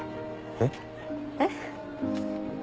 えっ？えっ？